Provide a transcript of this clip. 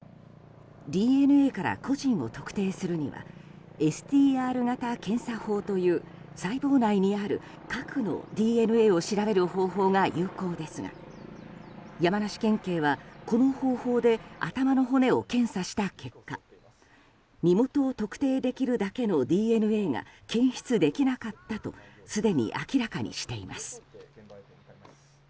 ＤＮＡから個人を特定するにはＳＴＲ型検査法という細胞内にある核のＤＮＡを調べる方法が有効ですが山梨県警は、この方法で頭の骨を検査した結果身元を特定できるだけのＤＮＡが検出できなかったとすでに明らかにしています。